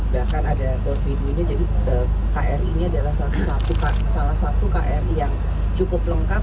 bahkan ada dorvidunya jadi kri ini adalah salah satu kri yang cukup lengkap